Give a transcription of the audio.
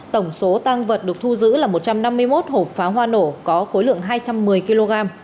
tổng số tăng vật được thu giữ là một trăm năm mươi một hộp pháo hoa nổ có khối lượng hai trăm một mươi kg